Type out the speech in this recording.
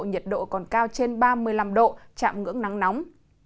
nhiệt độ còn cao trên ba mươi năm độ chạm ngưỡng nắng nóng